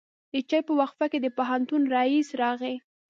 د چای په وقفه کې د پوهنتون رئیس راغی.